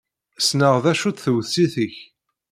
Ssneɣ d acu-tt tewsit-ik.